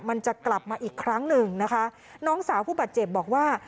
มันจะกลับมาอีกครั้งหนึ่งนะคะน้องสาวผู้บาดเจ็บบอกว่า